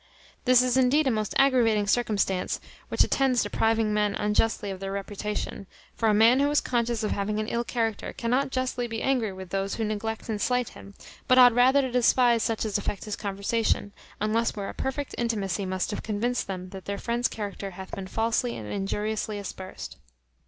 This is indeed a most aggravating circumstance, which attends depriving men unjustly of their reputation; for a man who is conscious of having an ill character, cannot justly be angry with those who neglect and slight him; but ought rather to despise such as affect his conversation, unless where a perfect intimacy must have convinced them that their friend's character hath been falsely and injuriously aspersed.